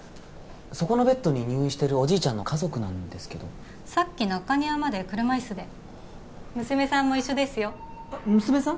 そこのベッドに入院してるおじいちゃんの家族なんですけどさっき中庭まで車いすで娘さんも一緒ですよ娘さん？